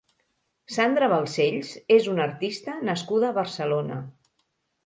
Sandra Balsells és una artista nascuda a Barcelona.